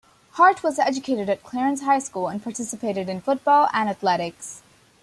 Hart was educated at Clarence High School and participated in football and athletics.